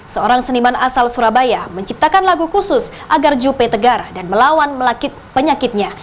seorang seniman asal surabaya menciptakan lagu khusus agar juppe tegar dan melawan melakit penyakitnya